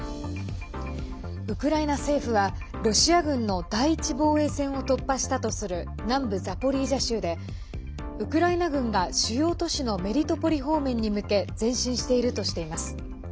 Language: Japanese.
ウクライナ政府はロシア軍の第１防衛線を突破したとする南部ザポリージャ州でウクライナ軍が主要都市のメリトポリ方面に向け前進しているとしています。